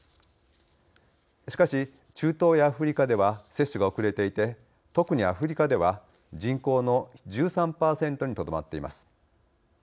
しかし、中東やアフリカでは接種が遅れていて特に、アフリカでは人口の１３％にとどまっています。